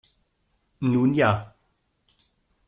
Nun ja.